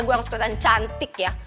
gue harus kelihatan cantik ya